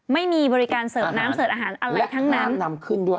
ไม่มีบริการเสิร์ฟน้ำเสิร์ฟอาหารอะไรทั้งนั้น